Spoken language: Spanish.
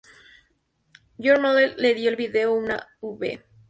John Mayer, le dio al vídeo una "B".